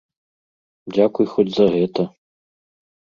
Дзякуй хоць за гэта.